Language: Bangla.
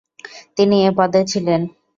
তিনি এ পদে ছিলেন।